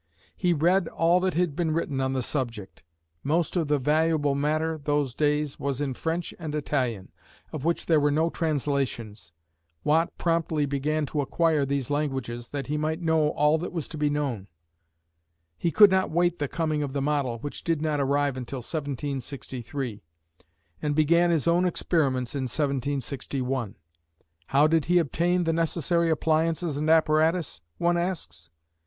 He read all that had been written on the subject. Most of the valuable matter those days was in French and Italian, of which there were no translations. Watt promptly began to acquire these languages, that he might know all that was to be known. He could not await the coming of the model, which did not arrive until 1763, and began his own experiments in 1761. How did he obtain the necessary appliances and apparatus, one asks.